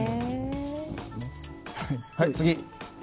はい、次。